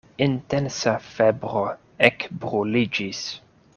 Intensa febro ekbruliĝis.